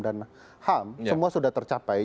dan ham semua sudah tercapai